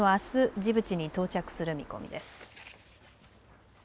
ジブチに到着する見込みです。